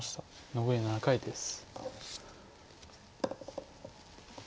残り７回です。